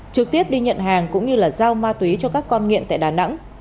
trực tiếp đi nhận hàng cũng như giao ma túy cho các con nghiện tại đà nẵng